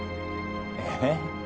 えっ？